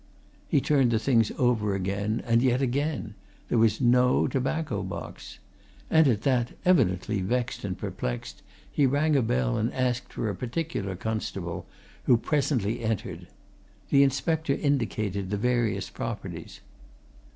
He turned the things over again, and yet again there was no tobacco box. And at that, evidently vexed and perplexed, he rang a bell and asked for a particular constable, who presently entered. The inspector indicated the various properties.